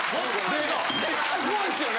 めっちゃ怖いんすよね。